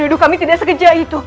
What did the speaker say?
hidup kami tidak sekejap itu